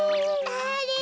あれ。